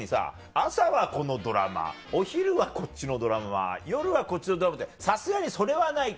朝はこのドラマお昼はこっちのドラマ夜はこっちのドラマってさすがにそれはないか。